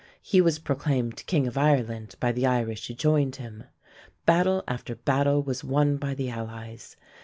He was proclaimed king of Ireland by the Irish who joined him. Battle after battle was won by the allies.